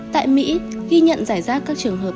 tại mỹ ghi nhận giải ra các trường hợp